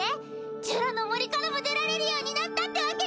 ジュラの森からも出られるようになったってわけね